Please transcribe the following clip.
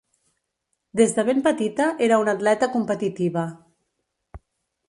Des de ben petita era una atleta competitiva.